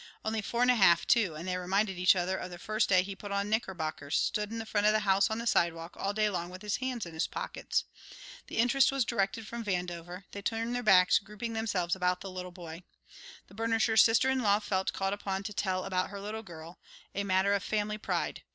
Only four and a half, too, and they reminded each other of the first day he put on knickerbockers; stood in front of the house on the sidewalk all day long with his hands in his pockets. The interest was directed from Vandover, they turned their backs, grouping themselves about the little boy. The burnisher's sister in law felt called upon to tell about her little girl, a matter of family pride.